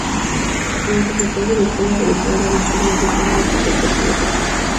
Durante su estancia en Australia, realizará varios cursos y rueda dos cortometrajes.